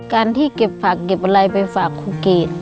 การที่เก็บผักเก็บอะไรไปฝากครูเกรด